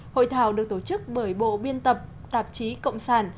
hội thảo được tổ chức bởi bộ biên tập tạp chí cộng sản